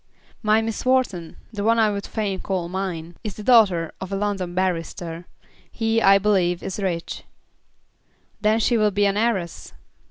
"My Miss Wharton, the one I would fain call mine, is the daughter of a London barrister. He, I believe, is rich." "Then she will be an heiress."